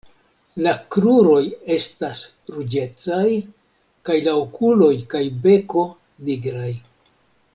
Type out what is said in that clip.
La kruroj estas ruĝecaj kaj la okuloj kaj beko nigraj.